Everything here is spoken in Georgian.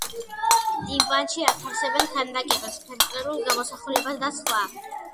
ტიმპანში ათავსებენ ქანდაკებას, ფერწერულ გამოსახულებას და სხვა.